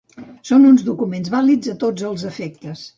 Són uns documents vàlids a tots els efectes.